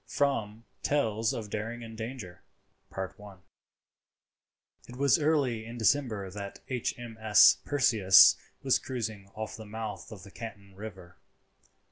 * *FROM "TALES OF DARING AND DANGER."* It was early in December that H.M.S. Perseus was cruising off the mouth of the Canton River.